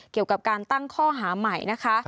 เกี่ยวกับการตั้งข้อหาใหม่นะคะ